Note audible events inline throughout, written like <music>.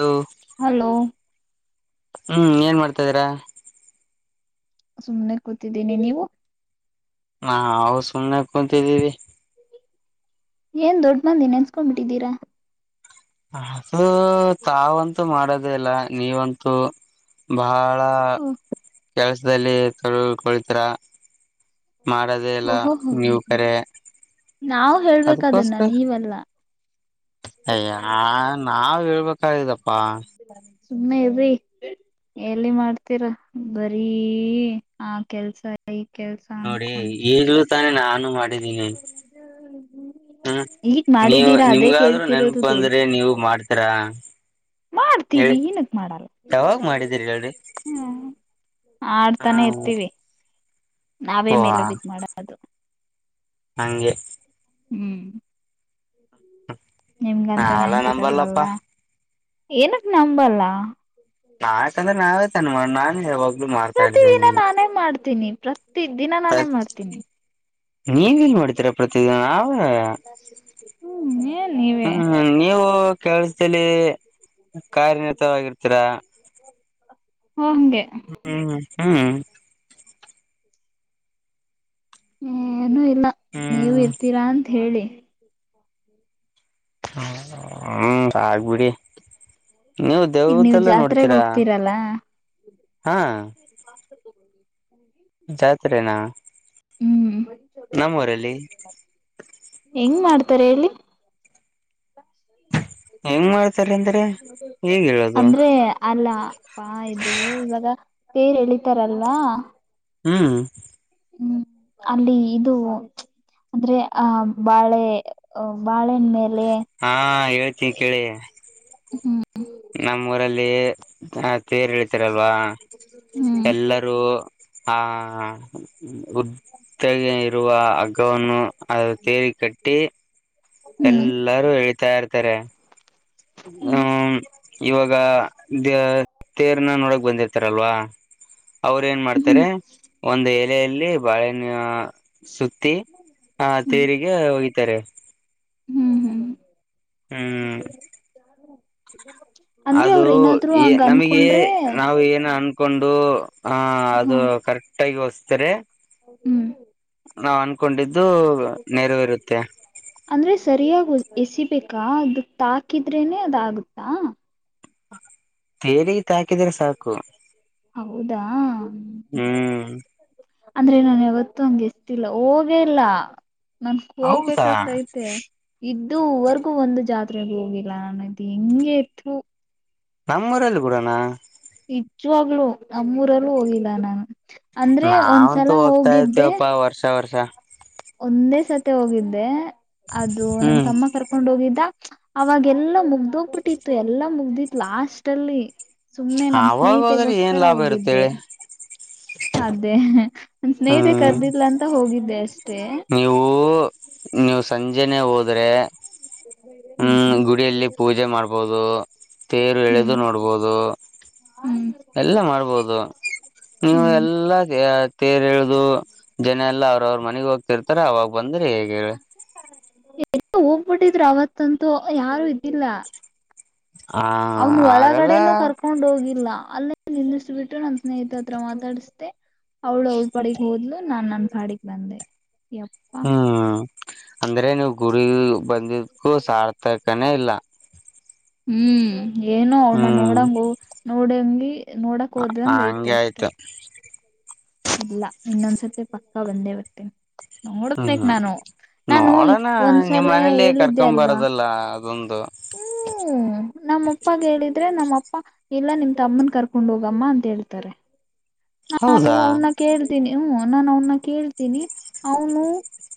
ದು ಹಲೋ ಹ್ಮ್ ಏನ್ ಮಾಡ್ತಾ ಇದೀರಾ ಸುಮನೆ ಕೂತಿದ್ದೀನಿ ನೀವು ನಾ ಹವು ಸುಮ್ನೆ ಕುಂತಿದ್ದೀರಿ ಏನ್ ದೊಡ್ ಮಂದಿ ನೆನ್ಸ್ಕೊಂಡ್ ಬಿಟ್ಟಿದ್ದೀರಾ ಅದು ತಾವಂತೂ ಮಾಡೋದೇ ಇಲ್ಲ ನೀವಂತೂ ಬಹ ಳ ಕೆಲ್ಸದಲ್ಲಿ ತಳ್ಕೊಳ್ತರ ಮಾಡೋದೇ ಎಲ್ಲ ನೀವು ಕರೆ ನಾವವು ಹೇಳ್ಬೇಕದನ್ನ ಅದಕ್ಕೋಸ್ಕರ ನೀವೆಲ್ಲಾ ಅಯ್ಯ ನಾವ್ ಹೇಳ್ಬೇಕಾಗಿದಪ್ಪಾ ಸುಮ್ಮನೆ ಇರಿ ಎಲ್ಲಿ ಮಾಡ್ತೀರಾ ಬರೀ ಆ ಕೆಲ್ಸ ಈ ಕೆಲ್ಸ ನೋಡಿ ಅನ್ಕೊಂಡು ಈಗ್ಲೂ ತಾನೆ ನಾನು ಮಾಡಿದ್ದೀನಿ ಹ್ಮ್ ಈಗ ನೀವು ಮಾಡಿದೀರಾ ಅದೇ ನಿಮಗಾದ್ ನೆನ್ಪು ಕೇಳ್ತಿರೋದು ದೊಡ್ಡ ಬಂದ್ರಿ ನೀವು ಮಾಡ್ತೀರ ಮಾಡ್ತೀವಿ ಇನಕ್ ಮಾಡಲ್ಲ ಮಾಡಿದೀರಿ ಹೇಳ್ರಿ ಹ್ಮ ಹ ಆಡ್ತಾನೆ ಇರ್ತೀವಿ ನಾವೇ ಓ ಮೇಲೆ ಬಿದ್ದ ಮಾಡದು ಹಗೆೆ ಹ್ಮ್. ನಿಮ್ಗಂತ ನಾವೆಲ್ಲ ನೆನಪಿರಲ್ಲಲ್ಲ ನಂಬಲ್ಲಪ್ಪಾ ಏನಕ್ ನಂಬಲ್ಲ ನಾಕ ಅಂದ್ರೆ ನಾವೇ ತನ್ ಮಾಡೋ ನಾನ್ ಹೇಬ ಪ್ರತಿ ದಿನ ನಾನೇ ಮಾಡ್ತೀನಿ ಪ್ರತಿ ದಿನ ನಾನೇ ಮಾಡ್ತೀನಿ ನೀನ್ ನ್ ಮಾಡ್ತೀರ ಪ್ರತಿದಿನ ನಾವ ಹ್ಮ್ ಏನ್ ನೀವೇ ಹ್ಮ್ ನೀವು ಕೆಳಸದಲ್ಲಿ ಕಾರ್ಯನತವಾಗಿರ್ತೀರಾ ಹಓ ಹಂಗೆ ಹ್ಮ್ ಹ್ಮ್ ಏಏನುೂ ಇಲ್ಲ ನೀವು ಹ್ಮ್ ಇರ್ತೀರಾ ಅಂತ ಹೇಳಿ ಹ ಹ್ಮ ಆಯ್ತು ಬಿಡಿ ನೀವು ಈಗ ನೀವ್ ದೇವ್ದಲ್ಲ ಜಾತ್ರೆಗ್ ನೋಡ್ತೀರಾ ಹೋಗ್ತೀರಲ್ಲ ಹಾ <inaudible> ಜಾತ್ರೆನಾ ಹ್ಮ್ ನಮ್ಮ ಊರಲ್ಲಿ ಹೆಂಗ್ ಮಾಡ್ತಾರೆ ಹೇಳಿ ಹೆಂಗ್ ಮಾಡ್ತಾರೆ ಅಂದ್ರೆ ಹೇಗ್ ಹೇಳೋದು ಅಂದ್ರೆ ಅಲ್ಲ ಪ್ಪಾ ಇದು ಇವಾಗ ತೇರ್ ಎಳಿತಾರಲ್ವಾ. ಹು. ಹು ಅಲ್ಲಿ ಇದು ಪ್ಚ್ ಅಂದ್ರೆ ಅ ಬಾಳೆ. ಅ ಬಾಳೆನ್ ಮೇಲೆ ಹಾ ಹೇಳ್ತೀನಿ ಹು ನಮ್ಮ ಊರಲ್ಲಿ ಜನಾ ತೇರು ಹಳಿತಾರಲ್ವಾ ಹ್ಮ್ ಎಲ್ಲರೂ. ಹಾ ಉದ್ದಗೆ ಇರುವ ಹಗ್ಗವನ್ನು ಅದು ತೇರಿಗೆ ಕಟ್ಟಿ. ಹು ಎಲ್ಲಾರು ಎಳೀತಾ ಇರ್ತಾರೆ. ಹ್ಹು ಹ್ಮ್ ಇವಾಗ ದ್ಯೆ ತೇರ್ನ ನೋಡಕ ಬಂದಿರ್ತಾರಲ್ವಾ. ಅವ್ರ ಏನ ಹ್ಮ್ ಮಾಡ್ತಾರೆ ಒಂದ ಎಲೆಯಲ್ಲಿ ಬಾಳೆನ್ನ ಸುತ್ತಿ. ಹಾ ತೇರಿಗೆ ವಗಿತಾರೆ. ಹು ಹು. ಹು ಯಾರ ನಿ ಇಲ್ಲಿ ಯಾಕ್ ಬಂದಿ. ಅದು ಇ ನಮಗೆ ನಾವು ಏನ ಅನ್. ಕೊಂಡು ಹಾ ಅದು ಕರೆಕ್ಟ್ ಆಗಿ ಹೊಸ್ತರೆ. ಹು. ನಾವ್ ಅನ್ಕೊಂಡಿದ್ದು ನೆರವೆರುತ್ತೆ. ಅಂದ್ರೆ ಸರಿಯಾಗಿ ಎಸಿಬೇಕಾ ಅದು ತಾಕಿದ್ರೇನೆ ಅದಾಗುತ್ತಾ. ತೇರಿಗ ತಾಕಿದ್ರೆ ಸಾಕು. ಹೌದಾ ಹ್ಮ್ ಅಂದ್ರೆ ನನ್ ಯಾವತ್ತು ಹಂಗೆ ಎಸ್ತೀದಿಲ್ಲಾ ಹೋಗೇಲ್ಲಾ ನನ್ ಹೌದಾ ಹೋಗ್ಬೇಕಾದ್ದೈತೆ. ಇದ್ದುವರ್ಗೂ ಒಂದು ಜಾತ್ರೆಗು ಹೋಗಿಲ್ಲ ನಾನ್ ಅದ ಹೆಂಗೆತ್ತು. ನಮ್ಮ್ಊರಲ್ಲಿ ಬಿಡೋಣ. ನಿಜ್ಜವಾಗ್ಲು ನಮ್ಮೂರಲ್ಲೂ ಹೋಗಿಲ್ಲಾ ನಾನು ಅಂದ್ರೆ ಒಂದ್ಸಲಾ ಹೋಗಿದ್ದೆ. ವರ್ಷಾ ವರ್ಷಾ ಒಂದೇ ಸತೆ ಹೋಗಿದ್ದೆ ಅದು ನಮ್ಮ ಹ್ಮ್ ತಮ್ಮ ಕರ್ಕೊಂಡ ಹೋಗಿದ್ದಾ. ಅವಾಗೆಲ್ಲಾ ಮುಗ್ದೋಗ್ಬಿಟ್ಟಿತ್ತು ಎಲ್ಲಾ ಮುಗ್ದಿತ್ತು ಲಾಸ್ಟ್ ಅಲ್ಲಿ. ಸುಮ್ನೆ ನಮ್ಮ ಅವಾಗ ಹೋದ್ರೆ ಏನ್ ಸ್ನೇಹಿತೆಗೋಸ್ಕರಾ ಲಾಭ ಇರುತ್ತೆ ಹೋಗಿದ್ದೆ. ಹೇಳಿ ಅದೇ ಸ್ನೇಹಿತೆ ಹ್ಮ್ ಕರ್ದಿಲ್ಲ ಅಂತ ಹೋಗಿದ್ದೆ ಅಷ್ಟೇ. ನೀವು ನೀವು ಸಂಜೆನೇ ಹೋದ್ರೆ. ಯಾಕ್ ಬೈದೆ. ಹು ಗುಡಿಯಲ್ಲಿ ಪೂಜೆ ಮಾಡ್ಬಹುದು ತೇರು ಎಳೆದು ನೋಡ್ಬಹುದು. ಹು. ಎಲ್ಲ ಮಾಡ್ಬೋದು ನೀವು ಹ್ಮ್ ಎಲ್ಲ ತೆ ತೇರ್ ಏಳಿದು ಜನಾ ಎಲ್ಲ ಅವ್ರ ಅವ್ರ ಮನೆಗ ಹೋಗ್ತಿರ್ತಾರೆ ಅವಾಗ ಬಂದ್ರ ಹೇಗೆ. ಹೇಳಿ ಎಲಡ್ರು ಹೋಗ್ಬಿಟ್ಟಿದ್ರು ಅವತ್ತಂತೂ ಯಾರು ಇದಿಲ್ಲಾ. ಹ ಅವನು ಆಗಲ್ಲ ಒಳಗಡೆನೂ ಕರ್ಕೊಂಡ ಹೋಗಿಲ್ಲಾ ಅಲ್ಲೇ ನಿಲ್ಲಿಸ ಬಿಟ್ಟು ನನ್. ಸ್ನೇಹಿತ ಹತ್ರ ಮಾತಾಡಿಸ್ದೆ ಅವ್ಳ ಅವಳ ಪಾಡಗ್ ಹೋದ್ಲು ನಾನ್ ನನ್ನ ಪಾಡಿಗೆ ಬಂದೆ. ಯಪ್ಪಾ ಹು ಪ್ಚ್ ಅಂದ್ರೆ ನೀವು ಗುಡಿಗ ಬಂದಕ್ಕು ಸಾರ್ಥಕಾನೇ ಇಲ್ಲಾ. ಹು ಏನೊ ಅವಳ್ನ ನೋಡಂಗ ನೋಡಂಗಿ ನೋಡಕ್ ಹೋದಂಗ ಐತೆ ಹಂಗೆ ಅಷ್ಟೇ. ಆಯ್ತು ಇಲ್ಲಾ ಇನ್ನೊಂದ್ಸತಿ ಪಕ್ಕಾ ಬಂದೇ ಬರ್ತೇನಿ. ಹಾ ನೋಡೋನಾ ನಿಮ್ಮ ಒಂದ್ಸಲ ಮನೇಲ್ಲಿ ಹೇಳಿದ್ದೆ ಅಲ್ವಾ ಕರ್ಕೊಬರದಲ್ಲಾ ಅದೊಂದು. <unintelligible> ನಮ್ಮಪ್ಪಾಗ ಹೇಳಿದ್ರೆ ನಮ್ಮ ಅಪ್ಪ ಹಿಲ್ಲ ನಿಮ್ಮ ತಮ್ಮನ್ ಕರ್ಕೊಂಡ್ ಹೋಗಮ್ಮ ಅಂತ ಹೇಳ್ತಾರೆ ನಾನು ಹೌದಾ ಅವನ್ನ ಕೇಳ್ತೀನಿ ಹ್ಮ ನಾನು ಅವನ್ನ ಕೇಳ್ತೀನಿ ಅವನು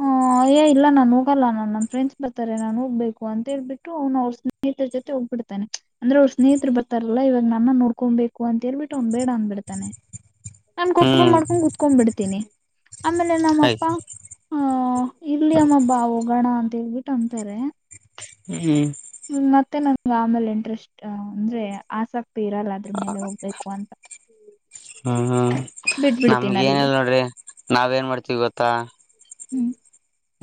ಹೂ ಯೇ ಇಲ್ಲ ನಾನ್ ಹೋಗಲ್ಲ ನಾನ್ ನನ್ ಫ್ರೆಂಡ್ಸ್ ಬರ್ತಾರೆ ನಾನ್ ಹೋಗ್ಬೇಕು ಅಂತೇಳ್ಬಿಟ್ಟು್ನು ಅವ ಅವಸ್ರ್ ಸ್ನೇಹಿತರ ಜೊತೆ ಹೋಗ್ಬಿಡ್ತಾನೆ ಅಂದ್ರೆ ಅವ್ರ ಸ್ನೇಹತ್ರರು ಬರ್ರಲ್ಲ ಇವಾಗ ನನ್ನ ನೋಡ್ಕೊಬೇಕು ಅಂತ ಹೇಳ್ಬಿಟ್ಟ ಅವ್ನು ಬೇಡ ಅಂದ ಬಿಡ್ತಾನೆ ನಾನ್ ಕೋಪ ಹ್ಮ್ ಮಾಡ್ಕೊಂಡ್ ಕುತ್ಕೊಂಡ್ ಬಿಡ್ತೀನಿ ಆಮೇಲೆ ಆಯ್ತು ನಮ್ಮಪ್ಪಾ ಅಹ ಇಲ್ಲಿ ಅಮ್ಮ ಬಾ ಒಗಣ ಅಂತ ಹೇಳ್ಬಿಟ್ಟು ಅಂತಾರೆ ಹ್ಮ ಹ್ಮ್ ಹ್ಮ ಮತ್ತೆ ನಂಗೆ ಆಮೇಲೆ ಇಂಟ್ರೆಸ್ಟ್ ಅಂದ್ರೆ ಆಸಕ್ತಿ ಇರಲ್ಲ ಅದ್ರ ಹ ಮೇಲೆ ಹೋಗ್ಬೇಕು ಅಂತ ಹ್ಮ್ ಹ್ಮ್ ನಮಗ ಬಿಟ್ಬಿಡ್ತೀನಿ ಅಲ್ಲಿಗೆ ಏನಲ್ ನೋಡ್ರಿ ನಾವ್ ಏನ್ ಮಾಡ್ತೀವಿ ಗೊತ್ತಾ ಹ್ಮ್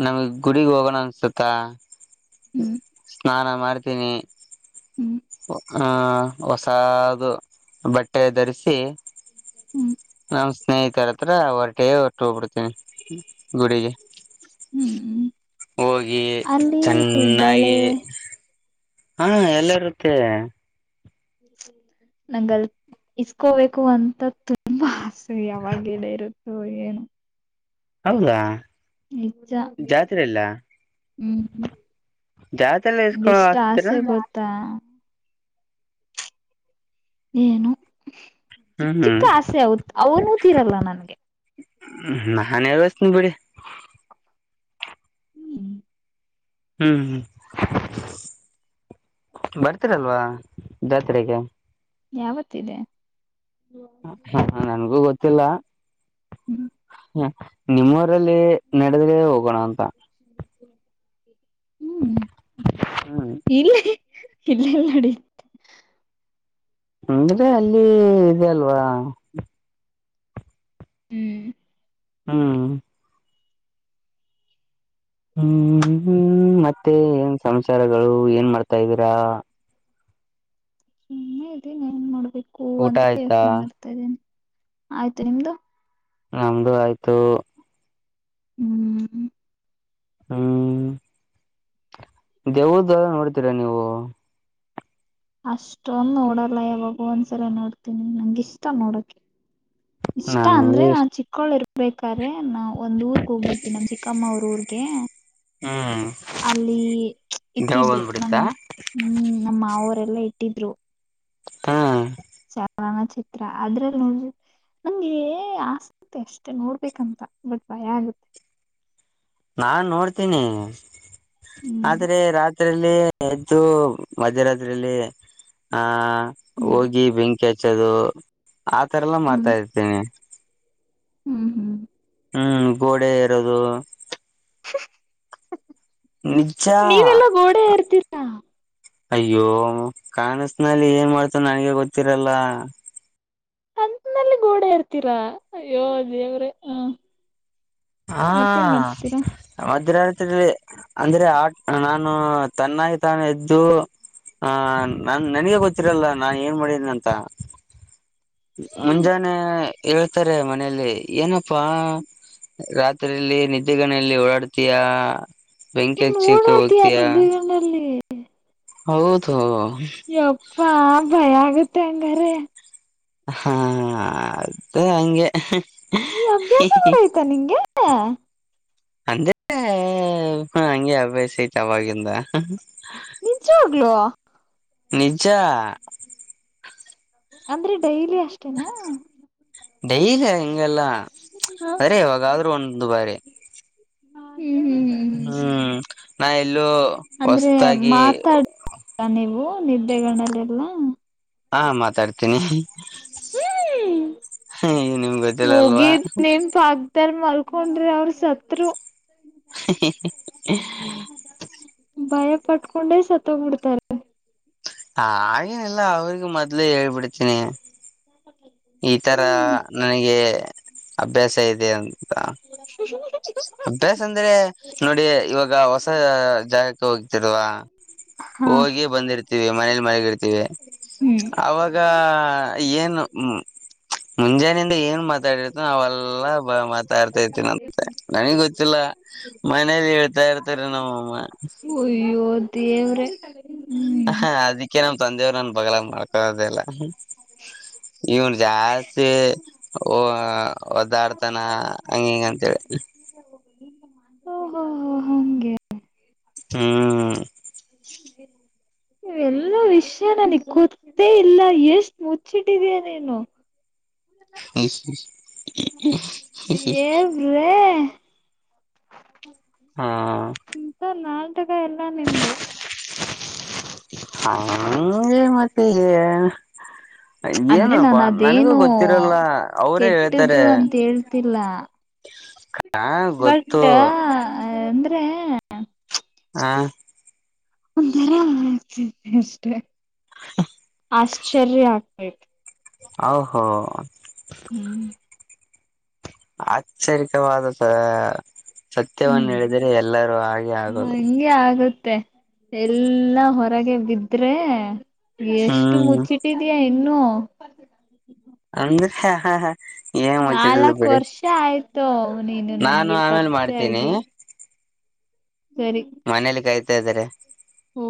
ನಮಗ್ ಗುಡಗ್ ಹೋಗೋಣ ಅನ್ಸತ್ತ ಹ್ಮ್ ಸ್ನಾನ ಮಾಡ್ತೀನಿ ಹ್ಮ್ ಹೊ ಹಾ ಹೊಸಾದ ಬಟ್ಟೆ ಧರಿಸಿ ಹ್ಮ್ ನಮ್ಮ್ ಸ್ನೇಹಿತರ ಹತ್ರ ಹೊರಟೇ ಹೋದ್ ಹಟ್ಟ ಹೋಗ್ಬಿಡ್ತೇನಿ ಗುಡಿಗೆ ಹ್ಮ್ ಹ್ಮ ಹೋಗಿ ಅಲ್ಲಿ ಬಳೆ ಚೆನ್ನಾಗಿ ಹಾ ಎಲ್ಲ ಇರುತ್ತೆ ನಂಗಲ್ ಇಸ್ಕೋಬೇಕು ಅಂತ ತುಂಬಾ ಆಸೆ ಯಾವಾಗಡ ಇರುತ್ತೋ ಏನು ಹಂಗ ನೀಚ ಹ್ಮ್ ಜಾತ್ರೆಲ್ಲ ಇಸ್ಕೊ ಎಷ್ಟ ಹತೀರಾ ಆಸೆ ಗೊತ್ತಾ ಏನು ಚಿಕ್ಕ ಹ್ಮ್ ಹ್ಮ್ ಚಿಕ್ಕ ಆಸೆ ಅವನೂ ತೀರಲ್ಲ ನನ್ಗೆ ನನ್ ಹೇಸ್ತಿನಿ ಬಿಡಿ ಹ್ಮ್ ಹ್ಮ್ ಹ್ಮ್ ಬರ್ತೀರಲ್ವಾ ಜಾತ್ರೆಗೆ ಯಾವತಿದೆ ಹ ನನ್ಗೂ ಗೊತ್ತಿಲ್ಲ ನಿಮ್ಮವರಲ್ಲಿ ನಡೆದ್ರೆ ಹೋಗೋಣ ಅಂತ ಹ್ಮ್ ಹ್ಮ್ ಇಲ್ಲಿ ಇಲ್ಲೆಲ್ಲ ನಡಿ ಅಂದ್ರೆ ಅಲ್ಲಿ ಇ ಅಲ್ವಾ ಹ್ಮ ಹಾ ಹ್ಮ್ ಹ್ಮ್ಮ ಮತ್ತೆ ಏನ್ ಸಂಚಾರಗಳು ಏನ್ ಮಾಡ್ತಾದೀರಾ ಸುಮ್ಮೆ ಇದೀನ್ ಏನ್ ಮಾಡೋಬೇಕು ಊಟ ಅಂತ ಆಯ್ತಾ ಯೋಚನೆ ಮಾಡ್ತಾ ಇದ್ದೀನಿ ಆಯ್ತು ನಿಮ್ದು ನಮ್ದು ಆಯ್ತು ಹ್ಮ್ ಹ್ಮ್ ದೇವ್ದವಾರ ನೋಡ್ತೀರಾ ನೀವು ಅಷ್ಟೊಂದು ನೋಡಲ್ಲ ಯಾವಾಗೋ ಒಂದ್ಸಲ ನೋಡ್ತೀನಿ ನಂಗ ಇಷ್ಟ ನೋಡಕ ಇಷ್ಟ ಅಂದ್ರೆ ನನ್ಗೆ ನಾ ಚಿಕ್ಕಳ್ಳೂರು ಬೇಕಾದ್ರೆ ನಾ ಒಂದ್ ಊರ್ಕ್ ಹೋಗಿದ್ವಿ ನಮ ಚಿಕ್ಕಮ್ಮ ಅವ್ರ ಊರ್ಗೆ ಹಾ ಅಲ್ಲಿ ಇಟ್ಟಿದ್ರು ನಮ್ ಹ್ಮ್ ನಮ್ಮ ಮಾವರೆಲ್ಲ ಇಟ್ಟಿದ್ರು ಹ್ಮ್ ಚಲನಚಿತ್ರ ಅದ್ರಲ್ಲಿ ನಂಗೆ ಆಸ್ತಿ ಅಷ್ಟೆ ನೋಡ್ಬೇಕಂತ ಬಟ್ ಭಯ ಆಗುತ್ತೆ ನಾನ್ ನೋಡ್ತೀನಿ ಹ್ಮ್ ಆದ್ರೆ ರಾತ್ರಿ ಇದ್ರಲ್ಲಿ ಎದ್ದು ಮಧ್ಯರಾತ್ರಿಲ್ಲಿ ಆ ಹ್ಮ್ ಹೋಗಿ ಬೆಂಕಿ ಬೆಂಕಿ ಹಚ್ಚದು ಆತರ ಎಲ್ಲ ಮಾಡ್ತಾ ಹ್ಮ್ ಇರ್ತೀನಿ ಹ್ಮ್ ಹ್ಮ್ ಹ್ಮ್ ಗೋಡೆ ಎರೋದು ನಿಜ ನೀವೆಲ್ಲ ಗೋಡೆ ಎರ್ತೀರಿ ಅಯ್ಯೋ ಕವಸನಲ್ಲಿ ಏನ್ ಮಾಡ್ತ ನನ್ಗೆ ಗೊತ್ತಿರಲ್ಲ ಕನಸುನಲ್ಲಿ ಗೋಡೆ ಎರ್ತೀರಾ ಅಯೋ ದೇವ್ರ ಹ ಹಾ ಮತ್ತೇನ್ ಮಾಡ್ತೀರಾ ಮಧ್ಯರಾತ್ಲಿ ಅಂದ್ರೆ ಆ ನಾನು ತನ್ನಾಗಿ ತಾನ ಎದ್ದು ಹ ನಾನ್ ನನಗೆ ಗೊತ್ತಿರಲ್ಲ ನಾನ್ ಏನ್ ಮಾಡಿದೀನಿ ಅಂತಾ ಮುಂಜಾನೆ ಹೇಳ್ತಾರೆ ಮನೇೆಯಲ್ಲಿ ಏನಪ್ಪಾ ರಾತ್ರಿಲ್ಲಿ ನಿದ್ದೆಗನೆಯಲ್ಲಿ ಓಡಾಡ್ತಯಾ ನಿನ್ ಓಡಾಡುತ್ತಾ ನಿದ್ದೇಗನಲ್ಲಿ ಹೌದು ಯಪ್ಪಾ ಭಯ ಆಗುತ್ತೆ ಹಂಗಾರೆ ಹಾ ಅದೇ ಹಂಗೆ ಈ ಅಭ್ಯಾಸ ಕೂಡ ಐಯ್ತಾ ನಿಂಗೆ ಅಂದ್ರೆ ಹಂಗೆ ಅಭ್ಯಾಸ ಐತೆ ಆವಾಗಿಂದ ನಿಜವಾಗ್ಲೂ ನಿಜಾ ಅಂದ್ರೆ ಡೈಲಿ ಅಷ್ಟೇನಾ ಡೈಲಿ ಹಂಗಲ್ಲಾ ಹ ಹ್ಮ್ಮ್ ಹ್ಮ್ ನಾ ಎಲ್ಲೂ ಅಂದ್ರೆ ಹೊಸತಾಗಿ ಮಾತಾಡ ನೀವು ನಿದ್ದೆಗಣ್ಣಲ್ಲಿ ಎಲ್ಲಾ ಹಾ ಮಾತಾಡ್ತೀನಿ ಹ್ಮ ನಿಮ್ಗ್ ಗೊತ್ತಿಲ್ಲ ಅಲ್ವಾ ಮುಗೀತು ನಿಮ್ದು ಪಕ್ಕದಲ್ಲಿ ಮಲ್ಕೊಂಡ್ರೆ ಅವ್ರ ಸತ್ರು <inaudible> <inaudible> ಭಯ ಪಟ್ಕೊಂಡೆ ಸತ್ತೋಗ್ಬಿಡ್ತಾರೆ ಹಾಗೇನ್ ಇಲ್ಲ ಅವ್ರರಿಗು ಮೊದ್ಲೇ ಹೇಳ್ಬಿಡ್ತೀನಿ ಹ <unintelligible> ಈ ತರ ನನಗೆ ಅಭ್ಯಾಸ ಇದೆ ಅಂತಾ <inaudible> ಅಭ್ಯಾಸ ಅಂದ್ರೆ ನೋಡಿ ಇವಾಗ ಹೊಸ ಜಾಗಕ್ಕೆ ಹೋಗಿತರಲ್ವಾ ಹಾ ಹೋಗಿ ಬಂದಿರ್ತಿವಿ ಮನೇಲಿ ಮಲಗಿರ್ತಿವಿ ಹ್ಮ್ ಅವಾಗ ಏನು ಹ್ಮ ಮುಂಜಾನೆಯಿಂದ ಏನ್ ಮಾತಾಡಿರ್ತೋ ಅವೆಲ್ಲಾ ಬ ಮಾತಾಡ್ತಾ ಇರ್ತೀನ ಅಂತ ನನಗ್ ಗೊತ್ತಿಲ್ಲ ಮನೇಲಿ ಹೇಳ್ತಾ ಇರ್ತಾರ ನಮ್ಮಮ್ಮ ಒಯ್ಯೋ ದೇಮ್ರೆ ಹ ಅದಿಕ್ಕೆ ನಮ್ಮ್ ತಂದೆಯವ್ರನ್ ಬಗಲಾಗೆ ಮಾಲ್ಕೋಳದೆಲ್ಲಾ ಇವನ್ ಜಾಸ್ತಿ ಹ ಒದ್ದಾಡ್ತಾನ ಹಂಗ ಹಿಂಗಂತೇಳಿ ಓ ಹೋ ಹೋ ಹಗೆ ಹ್ಮ್ ಹ ಇವೆಲ್ಲ ವಿಷಯ ನನಗ್ ಗೊತ್ತೇ ಇಲ್ಲ ಎಷ್ಟ್ ಮುಚ್ಚಿಟ್ಟಿದಯ ನೀನು ಹ <inaudible> ರೇ ಹಾ ಇಂತ ನ ತಟಗ ಎಲ್ಲಾ ನಿಂದು ಹೇ ಮತ್ತೆ ಹ ಅಂದ್ರೆ ಏನಪ್ಪಾ ನಾನು ನನಗೂ ಗೊತ್ತಿರಲ್ಲ ಅವರೇ ಹ ದು ಅಂತ ಹೇಳ್ತಿಲ್ಲ ಹಾ ಗೊತ್ತು ಬಟ್ ಅಂದ್ರೆ ಹಾ ಒ ಅಷ್ಟೇ ಹ ಆಶ್ಚರ್ಯ ಆಗ್ಬೇಕು ಹೋ ಹ್ಮ್ ಆಚರಿಕವಾದ ಸತ್ಯವನ್ನು ಹೇಳಿದರೆ ಎಲ್ಲರೂ ಹಾಗೆ ಆಗೋದು ಹಗೆ ಆಗುತ್ತೆ ಎಲ್ಲ ಹೊರಗೆ ಬಿದ್ರೆ ಎಷ್ಟು ಹ್ಮ್ ಮುಚ್ಚಿಟ್ಟ ಬಿಟ್ಟಿದಯಾ ಇನ್ನೂ ಅ ಹ ಹಾ ಹಾ ನಾಲ್ಕ್ ವರ್ಷ ಆಯ್ತು ನೀನು ನಾನು ನನಗೆ ಆಮೇಲೆ ಪರಿಚ ಮಾಡ್ತೀನಿ ಆಾಗಿ ಸರಿ ಮನೇಲಿ ಕಾಯ್ತಾ ಇದ್ದಾರೆ ಹ